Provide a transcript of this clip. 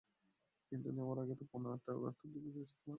কিন্তু নেওয়ার আগেই রাত পৌনে আটটার দিকে চিকিৎসাধীন অবস্থায় তার মৃত্যু হয়।